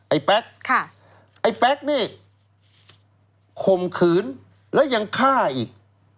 ไอ้แป๊กไอ้แป๊กนี่ข่มขืนแล้วยังฆ่าอีก